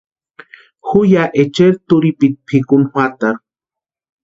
Ju ya echeri turhipiti pʼikuni juatarhu.